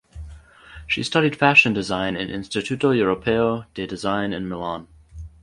She studied Fashion Design in Istituto Europeo di Design in Milan.